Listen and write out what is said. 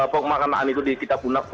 pemakaman itu di kitab undang